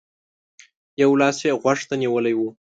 يو لاس يې غوږ ته نيولی و.